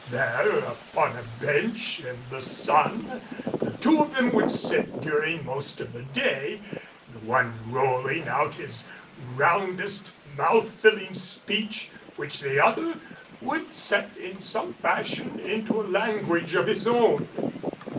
There upon a bench in the sun the two of them would sit during most of the day, the one rolling out his roundest, mouth filling speech, which the other would set in some fashion into a language of his own.